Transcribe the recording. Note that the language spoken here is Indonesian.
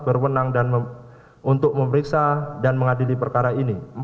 berwenang untuk memeriksa dan mengadili perkara ini